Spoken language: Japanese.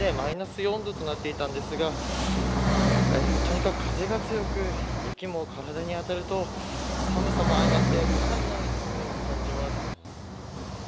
８時時点ではマイナス４度とだったんですがとにかく風が強く雪も体に当たると寒さも相まってかなりの痛みを感じます。